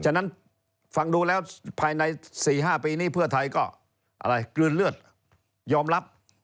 ฉะนั้นฟังดูแล้วภายใน๔๕ปีนี้เพื่อไทยก็อะไรกลืนเลือดยอมรับ